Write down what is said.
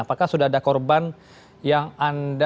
apakah sudah ada korban yang anda